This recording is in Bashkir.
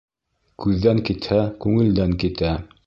Күҙҙән китһә, күңелдән китә.